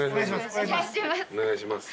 お願いします。